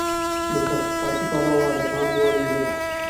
له تحقیقاتي پلوه د پام وړ نه ده.